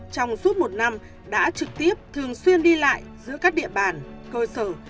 trong suốt một năm đã trực tiếp thường xuyên đi lại giữa các địa bàn cơ sở